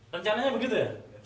rencananya begitu ya